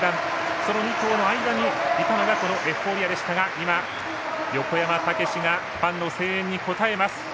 その２頭の間にいたのがエフフォーリアでしたが横山武史がファンの声援に応えます。